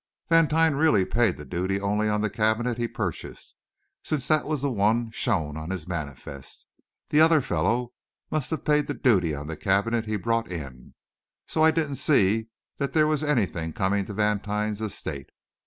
Vantine really paid the duty only on the cabinet he purchased, since that was the one shown on his manifest. The other fellow must have paid the duty on the cabinet he brought in; so I didn't see that there was anything coming to Vantine's estate.